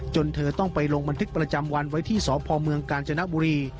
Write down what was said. เธอต้องไปลงบันทึกประจำวันไว้ที่สพเมืองกาญจนบุรี